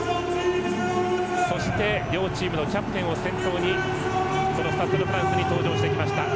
そして両チームのキャプテンを先頭にスタッド・ド・フランスに登場してきました。